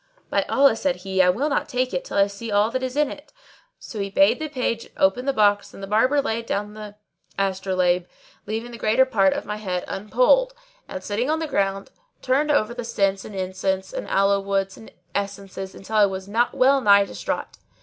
"By Allah," said he, "I will not take it till I see all that is in it." So I bade the page open the box and the Barber laid down the astrolabe, leaving the greater part of my head unpolled; and, sitting on the ground, turned over the scents and incense and aloes wood and essences till I was well nigh distraught.